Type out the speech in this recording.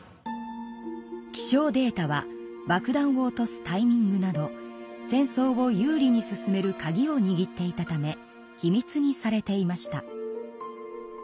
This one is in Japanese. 気象データはばくだんを落とすタイミングなど戦争を有利に進めるカギをにぎっていたため秘密にされていました。